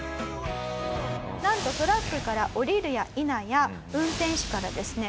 なんとトラックから降りるや否や運転手からですね